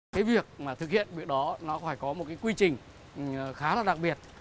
cái việc mà thực hiện việc đó nó phải có một cái quy trình khá là đặc biệt